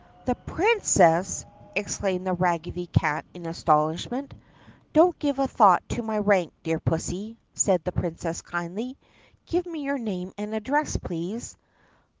"The Princess!" exclaimed the raggedy cat in astonishment. "Don't give a thought to my rank, dear pussy," said the Princess kindly. "Give me your name and address, please."